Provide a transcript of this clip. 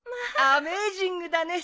アメージングだね